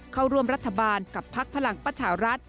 เข้าร่วมรัฐบาลกับพักพลังประชารัฐ